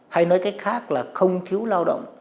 hay nói cách khác là không thiếu lao động